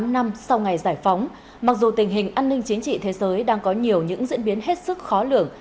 bốn mươi tám năm sau ngày giải phóng mặc dù tình hình an ninh chiến trị thế giới đang có nhiều những diễn biến hết sức khó lường